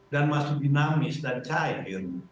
dan masih dinamis dan cair